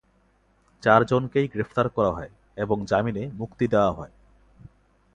চার জনকেই গ্রেফতার করা হয় এবং জামিনে মুক্তি দেয়া হয়।